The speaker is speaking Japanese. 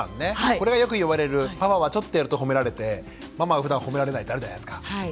これがよく言われるパパはちょっとやると褒められてママはふだん褒められないってあるじゃないですか。